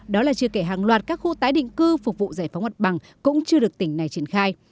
đó là chưa kể hàng loạt các khu tái định cư phục vụ giải phóng mặt bằng cũng chưa được tỉnh này triển khai